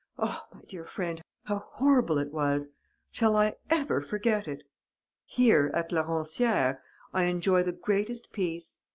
Oh, my dear friend, how horrible it was! Shall I ever forget it?... "Here, at la Roncière, I enjoy the greatest peace.